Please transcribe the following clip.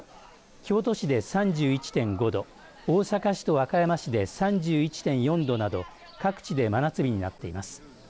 京都市で３１．５度大阪市と和歌山市で３１．４度など各地で真夏日になっています。